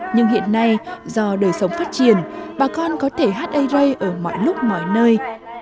nhưng hiện nay do đời sống phát triển bà con có thể hát ây rây ở mọi lúc mọi nơi